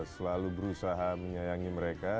selalu berusaha menyayangi mereka